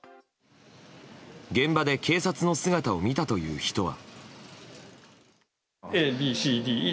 現場で警察の姿を見たという人は。